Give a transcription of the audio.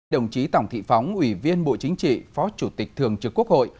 đồng chí tổng thị phóng ủy viên bộ chính trị phó chủ tịch thường trực quốc hội